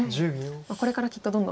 これからきっとどんどん。